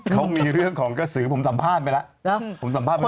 เขามีเรื่องของกระสือผมสัมภาษณ์ไปแล้ว